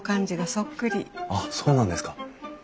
あっそうなんですか。